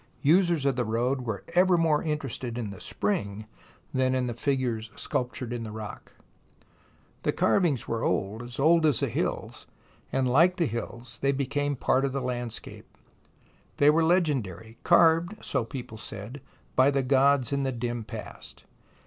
Users of the road were ever more interested in the spring than in the figures sculptured in the rock. The carvings were old — as old as the hills — and like the hills they became part of the landscape. They were legendary, carved, so people said, by the gods in the dim past.